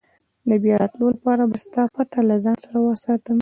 د بیا راتلو لپاره به ستا پته له ځان سره وساتم.